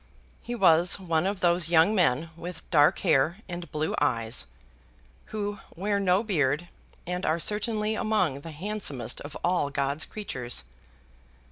He was one of those young men with dark hair and blue eyes, who wear no beard, and are certainly among the handsomest of all God's creatures.